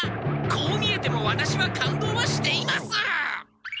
こう見えてもワタシは感動はしています！